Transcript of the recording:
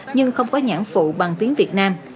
nhưng không có nhãn phụ bằng tiếng việt nam